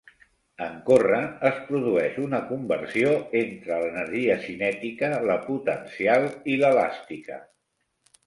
En córrer, es produeix una conversió entre l'energia cinètica, la potencial i l'elàstica.